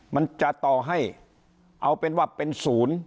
มันจะต่อให้เอาเป็นว่าเป็นศูนย์